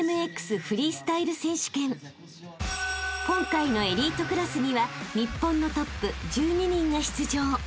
［今回のエリートクラスには日本のトップ１２人が出場］